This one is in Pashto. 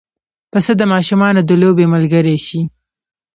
پسه د ماشومانو د لوبې ملګری شي.